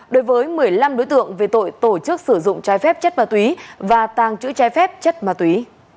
đối với một mươi năm đối tượng về tội tổ chức sử dụng trái phép chất ma túy và tàng trữ trái phép chất ma túy